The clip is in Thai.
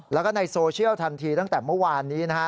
แล้วก็ในโซเชียลทันทีตั้งแต่เมื่อวานนี้นะฮะ